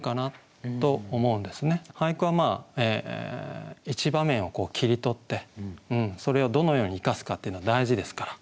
俳句は一場面を切り取ってそれをどのように生かすかっていうの大事ですから。